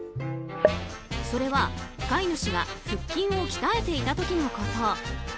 それは、飼い主が腹筋を鍛えていた時のこと。